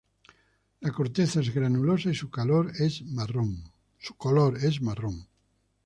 La corteza es granulosa y su color es marrón.